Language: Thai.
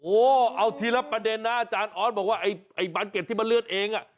โอ้โหเอาทีละประเด็นนะอาจารย์ออสบอกว่าไอ้บานเก็ตที่มันเลือดเอง